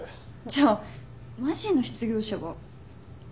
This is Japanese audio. じゃあマジの失業者は私だけ？